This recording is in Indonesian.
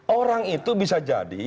orang itu bisa jadi